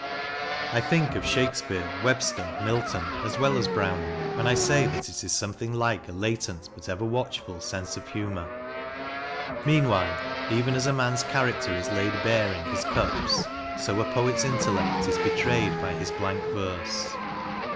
I think of Shake speare, Webster, Milton, as well as Browning, when I say that it is something like a latent but ever watchful sense of humour. Meanwhile, even as a man's character is laid bare in his cups, so a poet's intellect is betrayed by his blank verse.